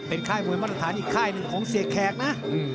ค่ายมวยมาตรฐานอีกค่ายหนึ่งของเสียแขกนะ